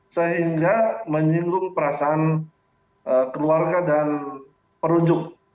sehingga menyinggung perasaan keluarga dan perujuk